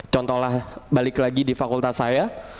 contohlah balik lagi di fakultas saya